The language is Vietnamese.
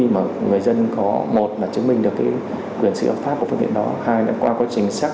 mà người dân có một là chứng minh được cái quyền sự hợp pháp của phương tiện đó hai là qua quá trình xác